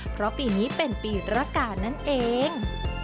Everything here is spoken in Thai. เพราะปีนี้เป็นปีรกานั่นเอง